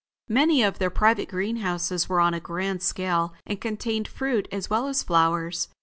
Many of their private greenhouses were on a grand scale and contained fruit as well as flowers.